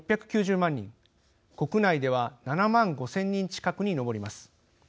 国内では７万５，０００人近くに上ります。